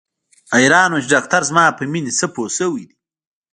حيران وم چې ډاکتر زما په مينې څه پوه سوى دى.